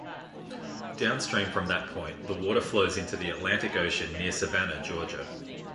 Downstream from that point, the water flows into the Atlantic Ocean near Savannah, Georgia.